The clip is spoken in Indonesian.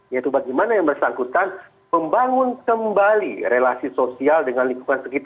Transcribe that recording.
yaitu bagaimana yang bersangkutan membangun kembali relasi sosial dengan lingkungan sekitar